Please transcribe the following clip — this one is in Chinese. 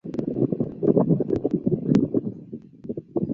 主办单位为静冈国际园艺博览会协会。